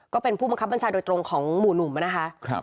ก็เป็นผู้บังคับบัญชาโดยตรงของหมู่หนุ่มนะคะ